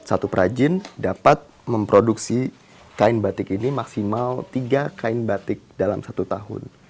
satu perajin dapat memproduksi kain batik ini maksimal tiga kain batik dalam satu tahun